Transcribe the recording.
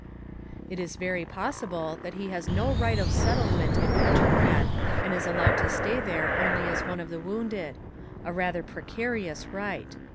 It is very possible, that he has no right of settlement in Petrograd and is allowed to stay there only as one of the wounded; a rather precarious right!